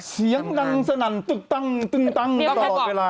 เสียงดังสนั่นตึ๊กตั้งตึ๊งตั้งตลอดเวลา